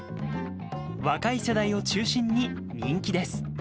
若い世代を中心に人気です。